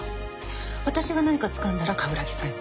私が何かつかんだら冠城さんに。